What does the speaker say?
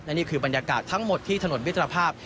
นี่คือบรรยากาศทั้งหมดที่ถนนมิตรภาพ